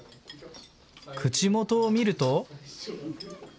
口元を見ると。